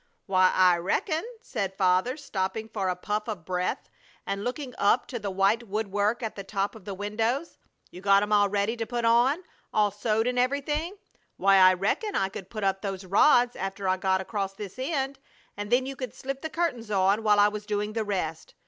"Why, I reckon!" said Father, stopping for a puff of breath and looking up to the white woodwork at the top of the windows. "You got 'em all ready to put up, all sewed and everything? Why, I reckon I could put up those rods after I get across this end, and then you could slip the curtains on while I was doing the rest.